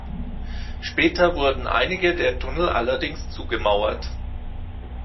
Später wurden einige der Tunnel allerdings zugemauert.